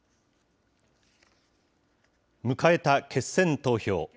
迎えた決選投票。